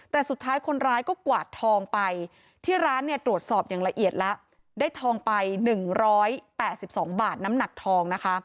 แต่สุดท้ายคนร้ายก็กวาดทองไปที่ร้านเนี่ยตรวจสอบอย่างละเอียดแล้วได้ทองไป๑๘๒บาทน้ำหนักทองนะคะ